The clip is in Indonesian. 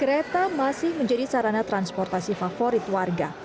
kereta masih menjadi sarana transportasi favorit warga